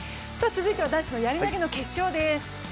続いては男子のやり投の決勝です。